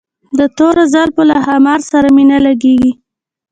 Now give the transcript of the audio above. د تورو زلفو له ښامار سره مي نه لګیږي